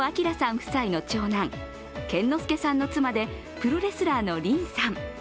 夫妻の長男健之介さんの妻でプロレスラーの凜さん。